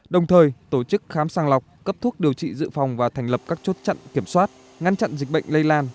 đồng thời tổ chức khám sàng lọc cấp thuốc điều trị dự phòng và thành lập các chốt chặn kiểm soát ngăn chặn dịch bệnh lây lan